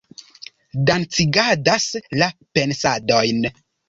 dancigadas la pensadojn